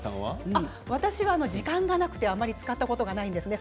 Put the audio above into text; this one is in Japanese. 私は時間がなくてあまり使ったことがないんですね。